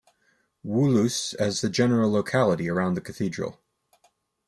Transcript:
Woolos' as the general locality around the Cathedral.